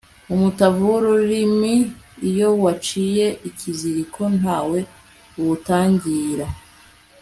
umutavu w'urulimi iyo waciye ikiziliko ntawe uwutangira